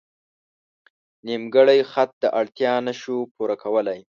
نیمګړی خط دا اړتیا نه شو پوره کولی.